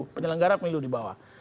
penyelenggara pemilu di bawah